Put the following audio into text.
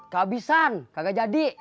kehabisan kagak jadi